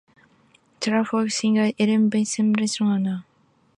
Canadian folk singer Eileen McGann also paid tribute with her moving ballad 'Isabella Gunn'.